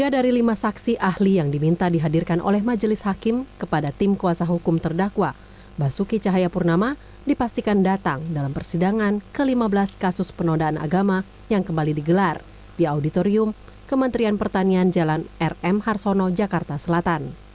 tiga dari lima saksi ahli yang diminta dihadirkan oleh majelis hakim kepada tim kuasa hukum terdakwa basuki cahayapurnama dipastikan datang dalam persidangan ke lima belas kasus penodaan agama yang kembali digelar di auditorium kementerian pertanian jalan rm harsono jakarta selatan